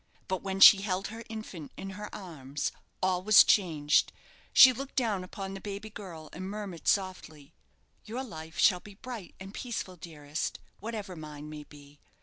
But when she held her infant in her arms all was changed She looked down upon the baby girl, and murmured softly "Your life shall be bright and peaceful, dearest, whatever mine may be.